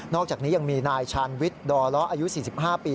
อกจากนี้ยังมีนายชาญวิทย์ดอล้ออายุ๔๕ปี